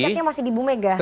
dikatnya masih di bumega